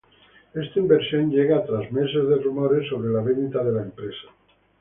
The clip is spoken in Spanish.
Esta inversión llega tras meses de rumores sobre la venta de Palm.